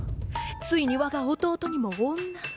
ついに我が弟にも女が。